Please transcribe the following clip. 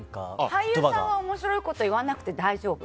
俳優さんは面白いこと言わなくて大丈夫。